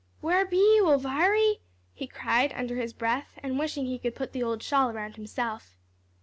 "Where be you, Elviry?" he cried, under his breath, and wishing he could put the old shawl around himself.